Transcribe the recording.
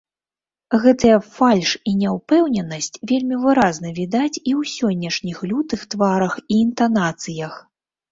Гэтыя фальш і няўпэўненасць вельмі выразна відаць і ў сённяшніх лютых тварах і інтанацыях.